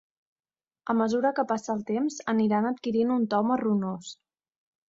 A mesura que passa el temps aniran adquirint un to marronós.